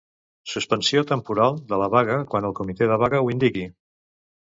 Suspensió temporal de la vaga quan el comitè de vaga ho indiqui.